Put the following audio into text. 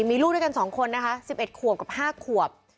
มีลูกด้วยกัน๒คนนะคะ๑๑ขวบกับ๕ขวบ